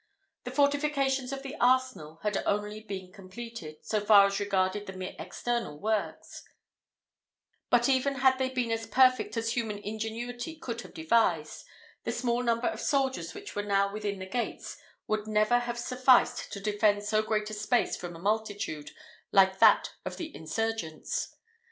The fortifications of the arsenal had only been completed, so far as regarded the mere external works; but even had they been as perfect as human ingenuity could have devised, the small number of soldiers which were now within the gates would never have sufficed to defend so great a space from a multitude like that of the insurgents.